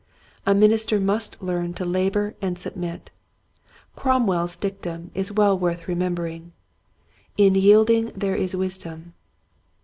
A minister must learn to labor and submit. Cromwell's dictum is worth re membering, " In yielding there is wis dom."